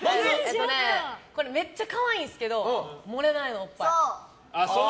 これめっちゃ可愛いんすけど盛れないの、おっぱい。